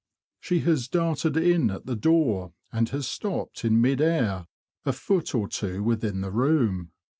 She has darted in at the door, and has stopped in mid air a foot or two within the room.